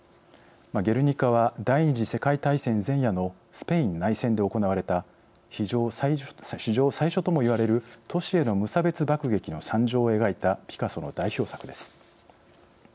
ゲルニカは第２次世界大戦前夜のスペイン内戦で行われた史上最初ともいわれる都市への無差別爆撃の惨状を描いたピカソの代表作です。